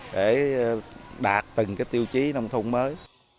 để đạt từng tiêu chí nông thôn mới